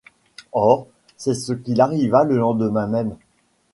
Or, c’est ce qui arriva le lendemain même.